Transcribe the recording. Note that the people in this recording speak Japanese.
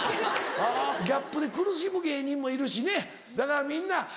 あぁギャップで苦しむ芸人もいるしねだからみんな。